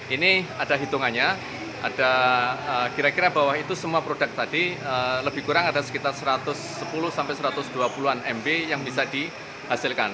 ini ada hitungannya ada kira kira bahwa itu semua produk tadi lebih kurang ada sekitar satu ratus sepuluh sampai satu ratus dua puluh an mb yang bisa dihasilkan